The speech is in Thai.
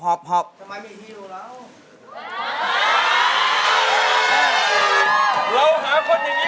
หอบเลยหรือยังไงอะไร